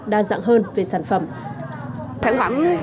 đa dạng hơn về sản phẩm